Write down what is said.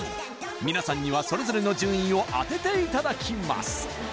みなさんにはそれぞれの順位を当てていただきます